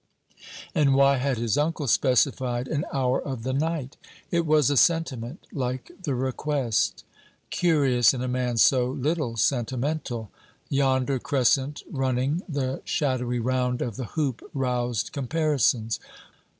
And why had his uncle specified an hour of the night? It was a sentiment, like the request: curious in a man so little sentimental. Yonder crescent running the shadowy round of the hoop roused comparisons.